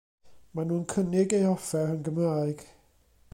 Mae nhw'n yn cynnig eu hoffer yn Gymraeg.